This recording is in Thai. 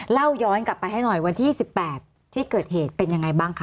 เล่าย้อนกลับไปให้หน่อยวันที่๑๘ที่เกิดเหตุเป็นยังไงบ้างคะ